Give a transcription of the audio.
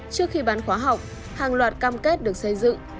trước khi bán khóa học hàng loạt cam kết được xây dựng